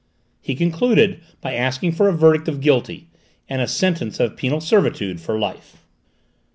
He concluded by asking for a verdict of guilty, and a sentence of penal servitude for life.